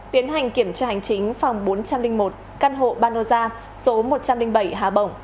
tiến hành kiểm tra hành chính phòng bốn trăm linh một căn hộ banosa số một trăm linh bảy hà bổng